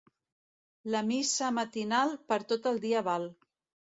La missa matinal, per tot el dia val.